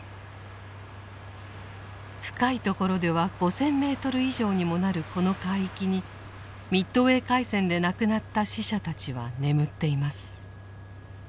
深いところでは５０００メートル以上にもなるこの海域にミッドウェー海戦で亡くなった死者たちは眠っています。